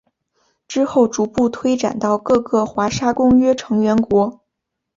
之后逐步推展到各个华沙公约成员国。